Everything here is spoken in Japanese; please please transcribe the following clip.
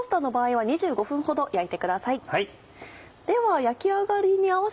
はい。